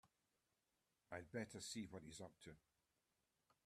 I'd better see what he's up to.